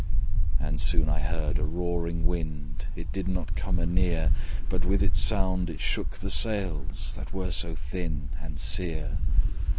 And soon I heard a roaring wind: It did not come anear; But with its sound it shook the sails, That were so thin and sere.